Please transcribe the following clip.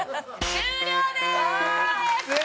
終了です！